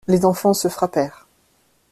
Les enfants se frappèrent.